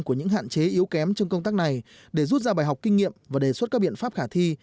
của những hạn chế yếu kém trong công tác này để rút ra bài học kinh nghiệm và đề xuất các biện pháp khả thi